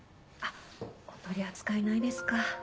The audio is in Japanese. あっお取り扱いないですか。